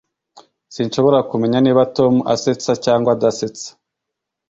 Sinshobora kumenya niba Tom asetsa cyangwa adasetsa